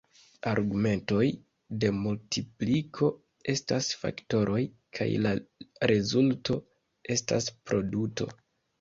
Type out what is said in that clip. Argumentoj de multipliko estas faktoroj kaj la rezulto estas produto.